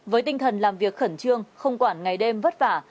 với tinh thần làm việc khẩn trương không quản ngày đêm vất vả